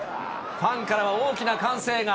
ファンからは大きな歓声が。